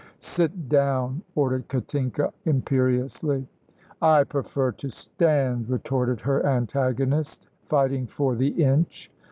"Sit down," ordered Katinka, imperiously. "I prefer to stand," retorted her antagonist, fighting for the inch.